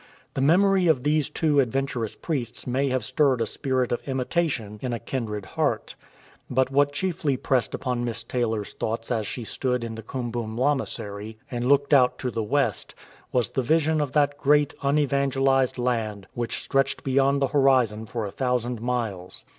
The memory of these two adventurous priests may have stirred a spirit of imitation in a kindred heart, but what chiefly pressed upon Miss Taylor's thoughts as she stood in the Kum bum lamasery and looked out to the west, was the vision of that great unevangelized land which stretched beyond the horizon for a thousand miles.